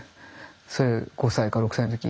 それ５歳か６歳の時。